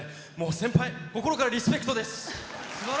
先輩、心からリスペクトです